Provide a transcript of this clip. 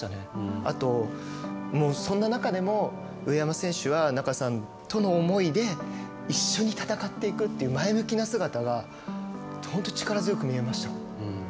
あと、そんな中でも上山選手は仲さんとの思いで一緒に戦っていくという前向きな姿が力強く見えました。